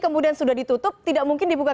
kemudian sudah ditutup tidak mungkin dibuka